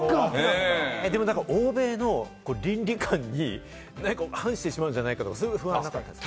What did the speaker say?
でも欧米の倫理感に反してしまうんじゃないかとか、そういう不安はなかったですか？